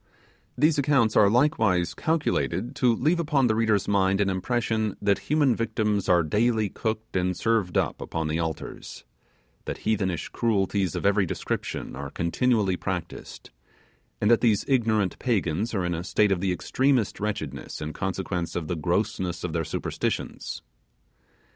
These accounts are likewise calculated to leave upon the reader's mind an impression that human victims are daily cooked and served up upon the altars; that heathenish cruelties of every description are continually practised; and that these ignorant Pagans are in a state of the extremest wretchedness in consequence of the grossness of their superstitions.